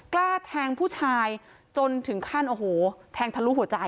กล้าแทงผู้ชายจนถึงขั้นโอ้โหแทงทะลุหัวใจ